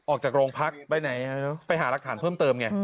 ออกจากโรงพักไปไหนไปหารักฐานเพิ่มเติมไง